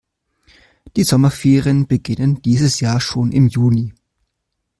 Die Sommerferien beginnen dieses Jahr schon im Juni.